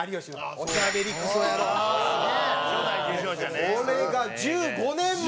蛍原：これが１５年前。